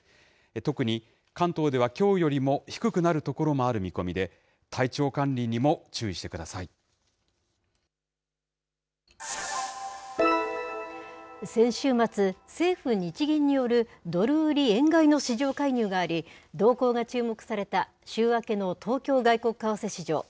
特に関東ではきょうよりも低くなる所もある見込みで、先週末、政府・日銀によるドル売り円買いの市場介入があり、動向が注目された、週明けの東京外国為替市場。